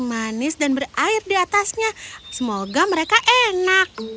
manis dan berair di atasnya semoga mereka enak